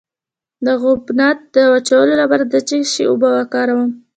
د عفونت د وچولو لپاره د څه شي اوبه وکاروم؟